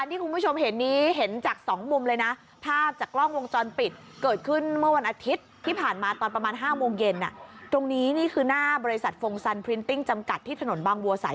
อยู่ที่ฉะเชิงเซาบ้าง